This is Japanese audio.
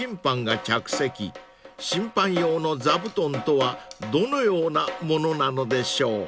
［審判用の座布団とはどのようなものなのでしょう？］